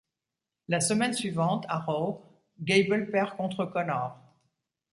La semaine suivante à Raw, Gable perd contre Konnor.